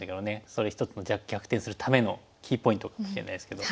それ一つの逆転するためのキーポイントかもしれないですけど。